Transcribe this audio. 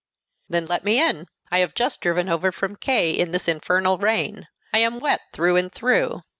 "Then let me in. I have just driven over from K in this infernal rain. I am wet through and through."